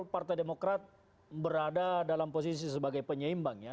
partai demokrat berada dalam posisi sebagai penyeimbang ya